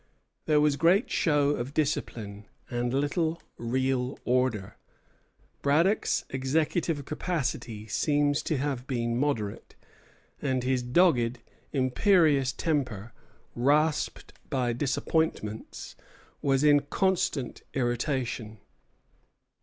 There was great show of discipline, and little real order. Braddock's executive capacity seems to have been moderate, and his dogged, imperious temper, rasped by disappointments, was in constant irritation.